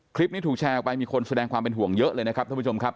คลิปนี้ถูกแชร์ออกไปมีคนแสดงความเป็นห่วงเยอะเลยนะครับท่านผู้ชมครับ